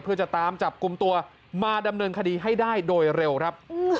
เพื่อจะตามจับกลุ่มตัวมาดำเนินคดีให้ได้โดยเร็วครับ